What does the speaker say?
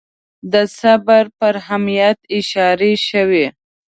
د صبر پر اهمیت اشاره شوې.